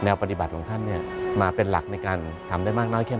แนวปฏิบัติของท่านมาเป็นหลักในการทำได้มากน้อยขนาดครั้ง